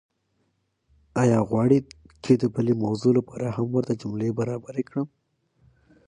ایا غواړئ چې د بلې موضوع لپاره هم ورته جملې برابرې کړم؟